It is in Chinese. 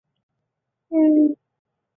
锥唇吻沙蚕为吻沙蚕科吻沙蚕属的动物。